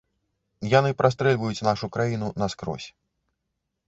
Яны прастрэльваюць нашу краіну наскрозь.